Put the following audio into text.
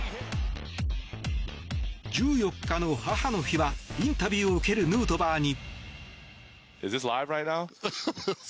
１４日の母の日はインタビューを受けるヌートバーに。